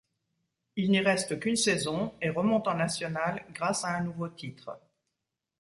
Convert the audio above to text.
Il n'y reste qu'une saison et remonte en nationales grâce à un nouveau titre.